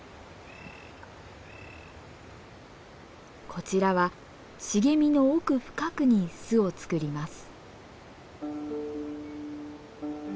こちらは茂みの奥深くに巣を作ります。